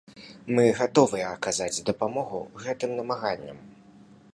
Мы гатовыя аказаць дапамогу гэтым намаганням.